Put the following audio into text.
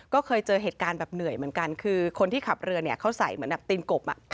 ก็เคยเจอเหตุการณ์แบบเหนื่อยเหมือนกันคือคนที่ขับเรือเนี่ยเขาใส่เหมือนแบบตีนกบ